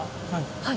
はい。